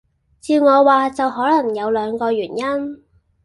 照我話就可能有兩個原因